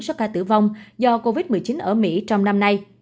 số ca tử vong do covid một mươi chín ở mỹ trong năm nay